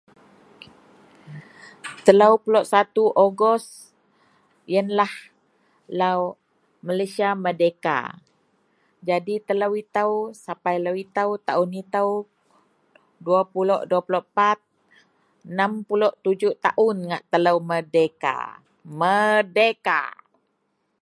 telou puloh satu ogos ienlah lau Malaysia Merdeka jadi telou itou sapai lau itou taaun itou dua pulok dua pulok pat ,enam pulok tujuk taaun ngak Merdeka. merdeka